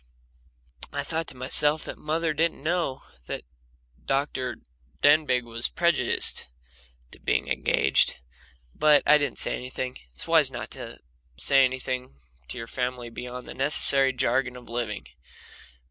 I thought to myself that mother didn't know that Dr. Denbigh was prejudiced to being engaged, but I didn't say anything it's wise not to say anything to your family beyond the necessary jargon of living.